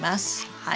はい。